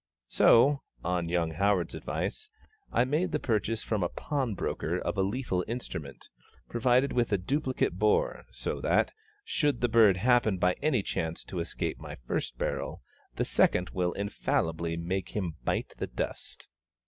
So, on young HOWARD'S advice, I made the purchase from a pawnbroker of a lethal instrument, provided with a duplicate bore, so that, should a bird happen by any chance to escape my first barrel, the second will infallibly make him bite the dust.